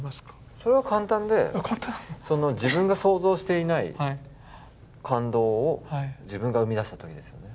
それは簡単で自分が想像していない感動を自分が生み出した時ですよね。